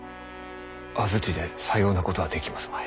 安土でさようなことはできますまい。